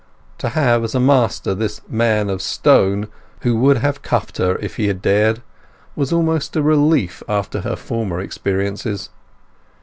To have as a master this man of stone, who would have cuffed her if he had dared, was almost a relief after her former experiences.